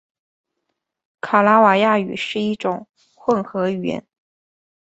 卡拉瓦亚语是一种混合语言。